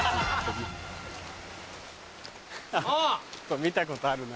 ハハっ見たことあるな。